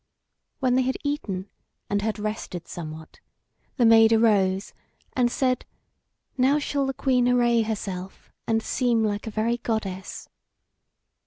When they had eaten and had rested somewhat, the Maid arose and said: "Now shall the Queen array herself, and seem like a very goddess."